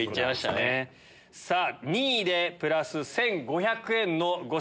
さぁ２位でプラス１５００円の誤差です。